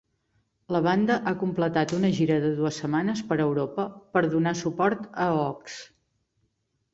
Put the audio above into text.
La banda ha completat una gira de dues setmanes per Europa per donar suport a "Ox".